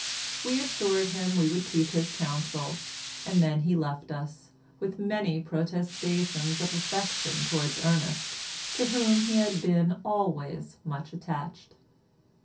We assured him we would keep his counsel, and then he left us, with many protestations of affection towards Ernest, to whom he had been always much attached.